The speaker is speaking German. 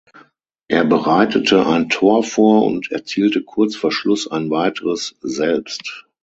Er bereitete ein Tor vor und erzielte kurz vor Schluss ein weiteres selbst.